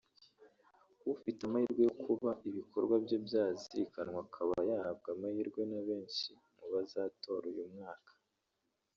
ufite amahirwe yo kuba ibikorwa bye byazirikanwa akaba yahabwa amahirwe na benshi mu bazatora uyu mwaka